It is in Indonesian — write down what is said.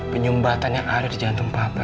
penyumbatan yang ada di jantung papa